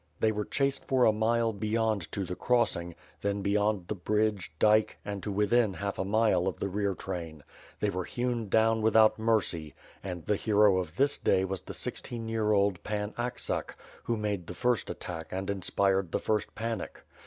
They were chased for a mile beyond to the crossing, then beyond the bridge, dike, and to within half a mile of the rear train. They were hewn down without mercy, and the hero of this day was the sixteen year old Pan Aksak, who made the first attack and inspired the first panic.